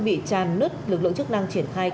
vị tràn nứt lực lượng chức năng triển khai